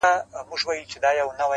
ستا پستو غوښو ته اوس مي هم زړه کیږي٫